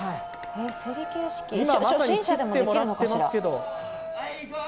今まさに切ってもらっていますけど。